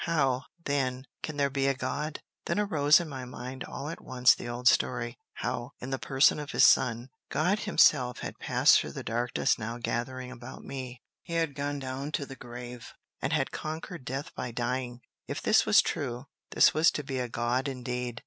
How, then, can there be a God? Then arose in my mind all at once the old story, how, in the person of his Son, God himself had passed through the darkness now gathering about me; had gone down to the grave, and had conquered death by dying. If this was true, this was to be a God indeed.